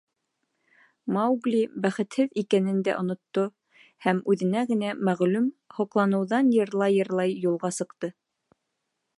Маугли бәхетһеҙ икәнен дә онотто һәм үҙенә генә мәғлүм һоҡланыуҙан йырлай-йырлай юлға сыҡты.